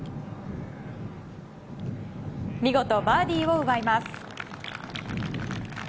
見事バーディーを奪います。